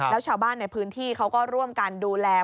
แล้วชาวบ้านในพื้นที่เขาก็ร่วมกันดูแล